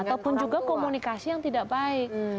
ataupun juga komunikasi yang tidak baik